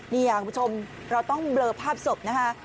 นี่ค่ะคุณผู้ชมเราต้องเบลอภาพศพนะคะ